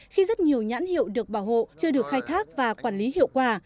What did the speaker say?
khi rất nhiều nhãn hiệu được bảo hộ chưa được khai thác và quản lý hiệu quả